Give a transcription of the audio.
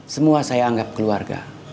semua saya anggap keluarga